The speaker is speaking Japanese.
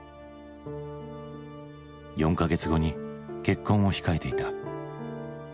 ４か月後に結婚を控えていた。